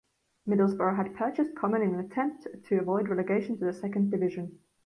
Middlesbrough had purchased Common in an attempt to avoid relegation to the Second Division.